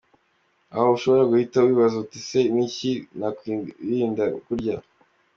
Aha ushobora guhita wibaza uti ese ni iki nakwirinda kurya?.